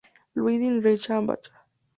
Ludwig Reichenbach.